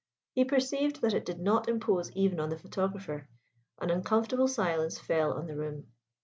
He perceived that it did not impose even on the photographer. An uncomfortable silence fell on the room.